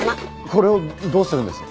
これをどうするんです？